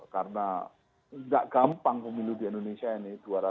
karena nggak gampang pemilu di indonesia ini